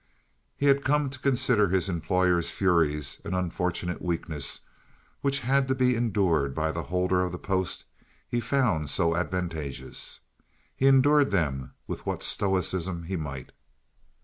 He had come to consider his employer's furies an unfortunate weakness which had to be endured by the holder of the post he found so advantageous. He endured them with what stoicism he might.